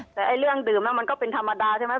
แต่เรื่องดื่มแล้วมันก็เป็นธรรมดาใช่ไหม